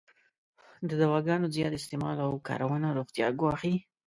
د دواګانو زیات استعمال او کارونه روغتیا ګواښی.